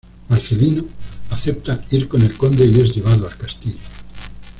Marcelino acepta ir con el conde y es llevado al castillo.